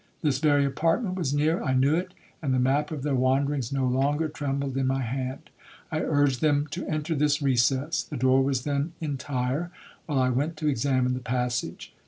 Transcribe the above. This very apartment was near,—I knew it, and the map of their wanderings no longer trembled in my hand. I urged them to enter this recess, (the door was then entire), while I went to examine the passage.